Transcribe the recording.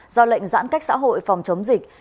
do lệnh giãn cách xã hội phòng chống dịch